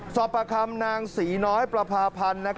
สอบประคำนางศรีน้อยประพาพันธ์